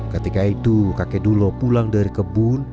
ketika itu kakek dulo pulang dari kebun